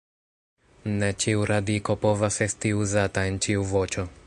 Ne ĉiu radiko povas esti uzata en ĉiu voĉo.